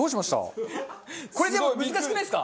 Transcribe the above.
これでも難しくないですか？